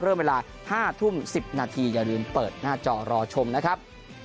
เวลา๕ทุ่ม๑๐นาทีอย่าลืมเปิดหน้าจอรอชมนะครับ